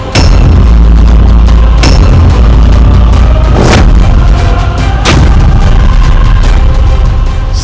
itu sangat sejati